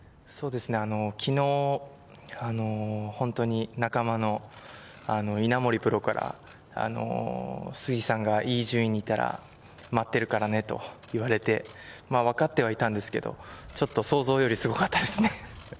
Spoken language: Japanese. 昨日、本当に仲間の稲森プロからスギさんがいい順位にいたら待ってるからねと言われて、分かってはいたんですけど、ちょっと想像よりすごかったですね。